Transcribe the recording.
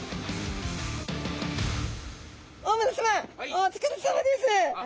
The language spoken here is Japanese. お疲れさまです。